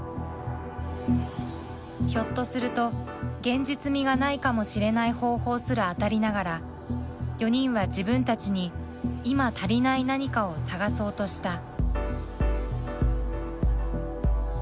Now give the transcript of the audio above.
ひょっとすると現実味がないかもしれない方法すら当たりながら４人は自分たちに今足りない何かを探そうとした。